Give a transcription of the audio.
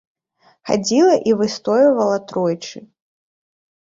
Хадзіла і выстойвала тройчы.